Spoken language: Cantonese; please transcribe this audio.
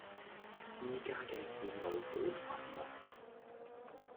依家既線路好繁忙